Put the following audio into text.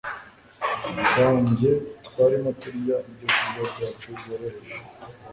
wanjye twarimo turya ibyokurya byacu byoroheje